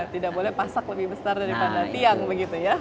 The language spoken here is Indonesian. tidak boleh pasak lebih besar daripada tiang begitu ya